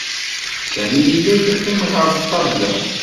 Sami yella yeqqim ɣer ṭṭabla.